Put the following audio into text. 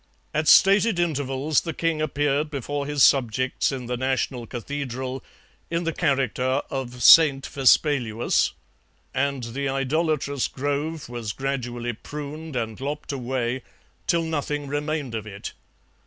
At stated intervals the king appeared before his subjects in the national cathedral in the character of St. Vespaluus, and the idolatrous grove was gradually pruned and lopped away till nothing remained of it.